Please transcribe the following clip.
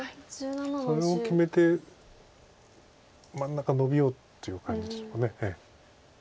それを決めて真ん中ノビようっていう感じでしょうか。